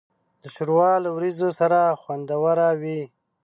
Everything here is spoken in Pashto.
ښوروا له وریژو سره خوندوره وي.